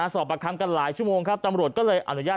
สอบประคำกันหลายชั่วโมงครับตำรวจก็เลยอนุญาต